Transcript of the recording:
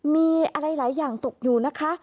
มีอะไรหลายอย่างตกอยู่นะคะ